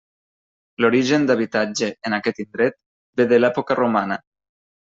L'origen d'habitatge en aquest indret ve de l'època romana.